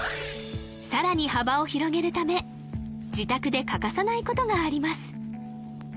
さらに幅を広げるため自宅で欠かさないことがあります